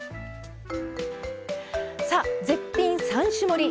さあ絶品３種盛り